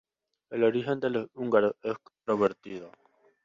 El origen de los húngaros es controvertido.